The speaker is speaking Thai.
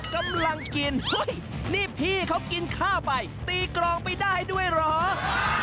กำลังกินเฮ้ยนี่พี่เขากินข้าวไปตีกรองไปได้ด้วยเหรอ